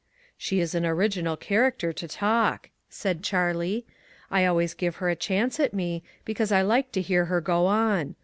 "She is an original character to talk," said Charlie. "I always give her a chance at me, because I like to hear her go on.